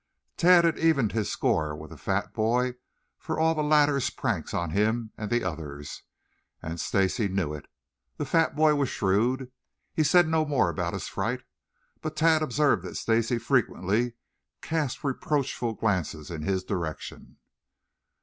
Tad had evened his score with the fat boy for all the latter's pranks on him and the others, and Stacy knew it. The fat boy was shrewd. He said no more about his fright, but Tad observed that Stacy frequently cast reproachful glances in his direction.